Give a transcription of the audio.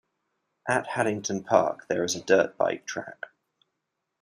At Haddington Park there is a dirt bike track.